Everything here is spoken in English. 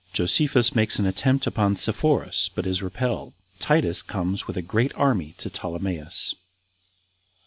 Josephus Makes An Attempt Upon Sepphoris But Is Repelled. Titus Comes With A Great Army To Ptolemais.